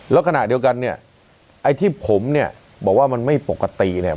แล้วขณะเดียวกันเนี่ยไอ้ที่ผมเนี่ยบอกว่ามันไม่ปกติเนี่ย